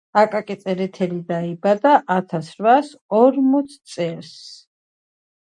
ქლიავი შეიცავს ნატრიუმს, კალიუმს, რკინას და სპილენძს.